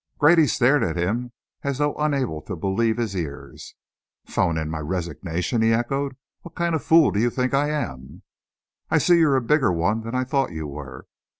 Grady stared at him as though unable to believe his ears. "'Phone in my resignation!" he echoed. "What kind of a fool do you think I am?" "I see you're a bigger one than I thought you were!